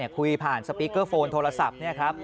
คุยผ่านสปีกเกอร์โฟนโทรศัพท์เนี่ยครับ